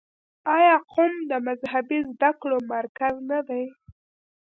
آیا قم د مذهبي زده کړو مرکز نه دی؟